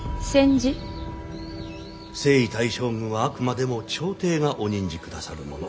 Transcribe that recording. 征夷大将軍はあくまでも朝廷がお任じくださるもの。